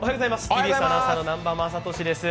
ＴＢＳアナウンサー・南波雅俊です。